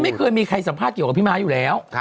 ไม่เคยมีใครสัมภาษณ์เกี่ยวกับพี่ม้าอยู่แล้ว